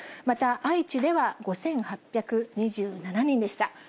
また愛知では５８２７人でした。